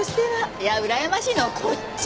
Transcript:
いやうらやましいのはこっち！